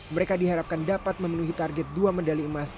mereka diharapkan dapat memenuhi target dua medali emas